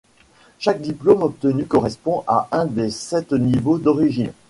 Chaque diplôme obtenu correspond à un des sept niveaux d'origine.